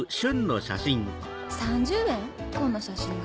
３０円こんな写真が？